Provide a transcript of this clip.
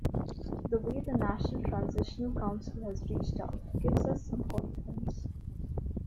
The way the National Transitional Council has reached out gives us some confidence.